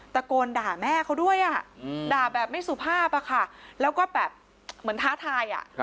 ตะโกนด่าแม่เขาด้วยด่าแบบไม่สุภาพแล้วก็แบบเหมือนท้าทาย